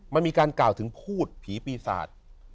มันมีการกล่าวถึงพูดผีปีศาจ